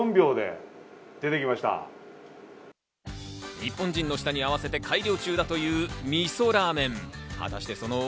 日本人の舌に合わせて改良中だという味噌ラーメン。